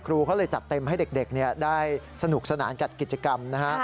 เขาเลยจัดเต็มให้เด็กได้สนุกสนานกับกิจกรรมนะฮะ